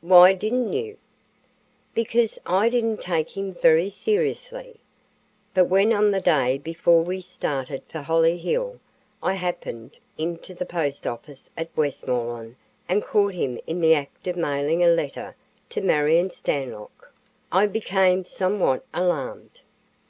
"Why didn't you?" "Because I didn't take him very seriously. But when on the day before we started for Hollyhill I happened into the postoffice at Westmoreland and caught him in the act of mailing a letter to Marion Stanlock, I became somewhat alarmed.